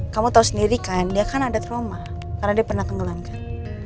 kamu tahu sendiri kan dia kan ada trauma karena dia pernah kenggelankan